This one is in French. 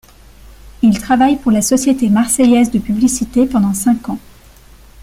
Il travaille pour la Société marseillaise de publicité pendant cinq ans.